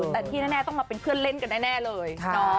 แต่ที่แน่ต้องมาเป็นเพื่อนเล่นกันแน่เลย